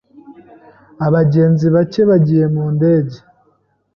Abagenzi bake bagiye mu ndege.